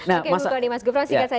oke bukani mas gufro sikat saja